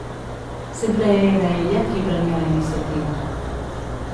Sempre era ella qui prenia la iniciativa.